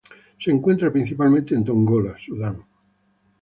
Se encuentra principalmente en Dongola, Sudán.